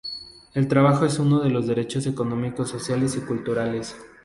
El trabajo es uno de los Derechos económicos, sociales y culturales.